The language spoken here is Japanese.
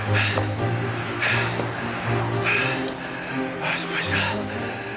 ああ失敗した。